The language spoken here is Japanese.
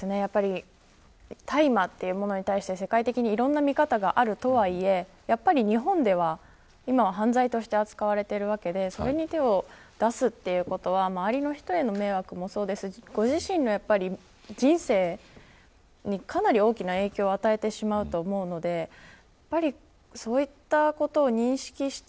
大麻というものに対して世界的にいろんな見方があるとはいえやっぱり日本では犯罪として扱われているわけでそれに手を出すということは周りの人への迷惑もそうですしご自身の人生にかなり大きな影響を与えてしまうと思うのでそういったことを認識して